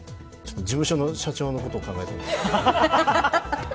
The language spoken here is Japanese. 事務所の社長のことを考えています。